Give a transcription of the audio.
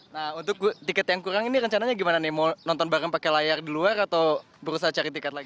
nah untuk tiket yang kurang ini rencananya gimana nih mau nonton bareng pakai layar di luar atau berusaha cari tiket lagi